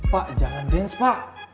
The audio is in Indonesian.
pak jangan dance pak